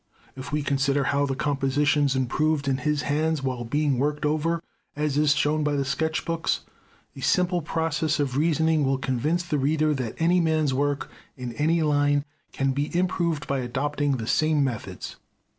If we consider how the compositions improved in his hands, while being worked over, as is shown by the sketch books, a simple process of reasoning will convince the reader that any man's work, in any line, can be improved by adopting the same methods.